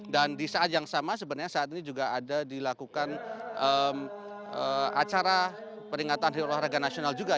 di saat yang sama sebenarnya saat ini juga ada dilakukan acara peringatan hari olahraga nasional juga